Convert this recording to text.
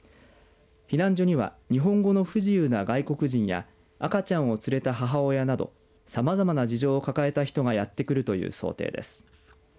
避難所には日本語の不自由な外国人や赤ちゃんを連れた母親などさまざまな事情を抱えた人がやってくるという想定です。